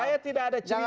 saya tidak ada cerita